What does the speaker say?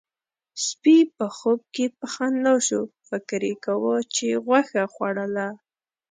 سپي په خوب کې په خندا شو، فکر يې کاوه چې غوښه خوړله.